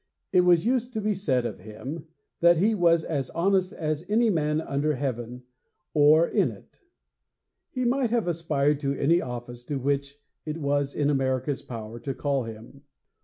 It used to be said of him that he was as honest as any man under heaven or in it. He might have aspired to any office to which it was in America's power to call him.